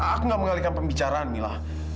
aku gak mengalihkan pembicaraan mila